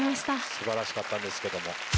素晴らしかったんですけども。